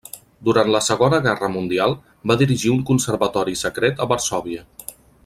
Durant la Segona Guerra Mundial, va dirigir un conservatori secret a Varsòvia.